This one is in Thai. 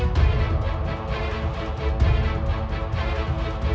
เขาทำดูตรงนั้นกลับไว้